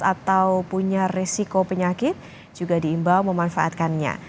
atau punya resiko penyakit juga diimbau memanfaatkannya